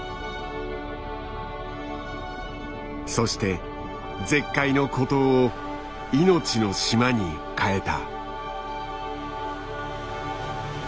そして絶海の孤島を命の島に変えた。